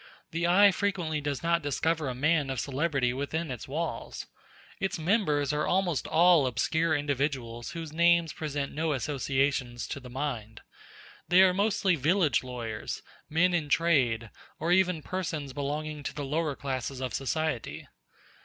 The eye frequently does not discover a man of celebrity within its walls. Its members are almost all obscure individuals whose names present no associations to the mind: they are mostly village lawyers, men in trade, or even persons belonging to the lower classes of society.